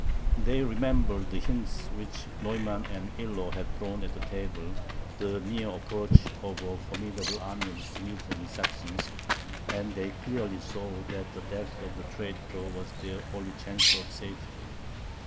They remembered the hints which Neumann and Illo had thrown out at table, the near approach of a formidable army of Swedes and Saxons, and they clearly saw that the death of the traitor was their only chance of safety.